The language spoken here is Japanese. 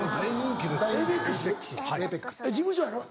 えっ事務所やろ？